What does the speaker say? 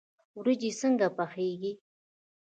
وریجې څنګه پخیږي؟